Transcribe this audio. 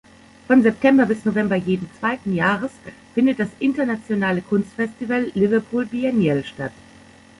Von September bis November jeden zweiten Jahres findet das internationale Kunstfestival "Liverpool Biennial" statt.